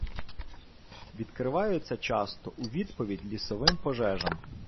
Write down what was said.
Відкриваються часто у відповідь лісовим пожежам.